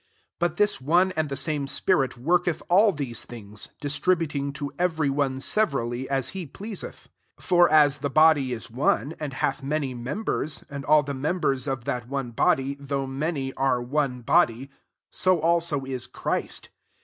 11 But this one and the same tpirit worketh all these things^ ii$tributing to every one seve Tally as he pleaseth.* 12 For as the body is one, and hath many members, and all the members of that [one'] body, though many, are one body ; so also is Christ.